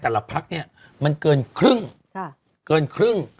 แต่ละพักเนี่ยมันเกินครึ่ง